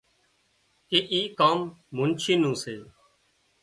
ڪي اي ڪام منڇي نُون سي